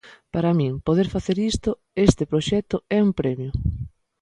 Para min poder facer isto, este proxecto, é un premio.